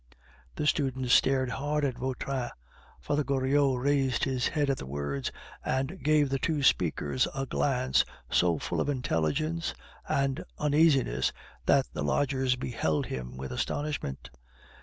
The student stared hard at Vautrin. Father Goriot raised his head at the words, and gave the two speakers a glance so full of intelligence and uneasiness that the lodgers beheld him with astonishment.